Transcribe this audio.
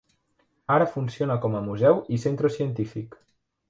Ara funciona com a museu i centre científic.